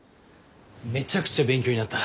めちゃくちゃ勉強になった。